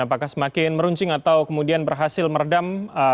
apakah semakin meruncing atau kemudian berhasil meredam